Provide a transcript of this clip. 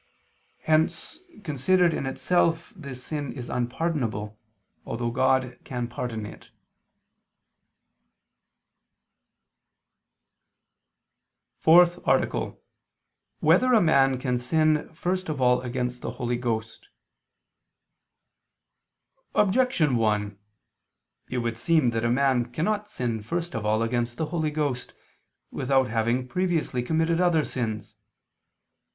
Hence considered in itself this sin is unpardonable, although God can pardon it. _______________________ FOURTH ARTICLE [II II, Q. 14, Art. 4] Whether a Man Can Sin First of All Against the Holy Ghost? Objection 1: It would seem that a man cannot sin first of all against the Holy Ghost, without having previously committed other sins.